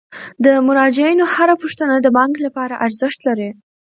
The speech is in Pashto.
د مراجعینو هره پوښتنه د بانک لپاره ارزښت لري.